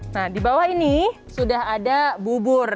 nah di bawah ini sudah ada bubur